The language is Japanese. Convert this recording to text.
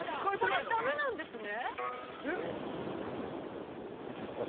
◆これ、だめなんですね。